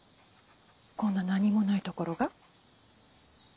こんな何もないところが？